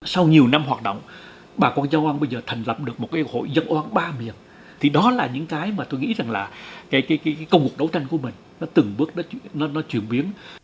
sau nhiều năm hoạt động bà quốc gia oan bây giờ thành lập được một hội dân oan ba miền thì đó là những cái mà tôi nghĩ rằng là công cuộc đấu tranh của mình nó từng bước nó chuyển biến